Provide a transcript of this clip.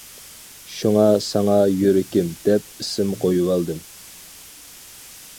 شۇڭا ساڭا «يۈرىكىم» دەپ ئىسىم قويۇۋالدىم.